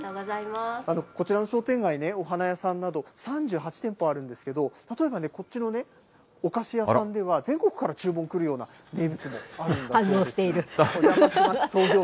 こちらの商店街ね、お花屋さんなど３８店舗あるんですけど、例えばこっちのお菓子屋さんでは、全国から注文来るような名物もあ反応している。